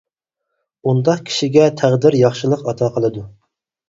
ئۇنداق كىشىگە تەقدىر ياخشىلىق ئاتا قىلىدۇ.